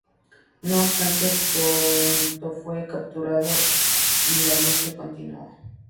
No obstante, pronto fue recapturado y la lucha continuó.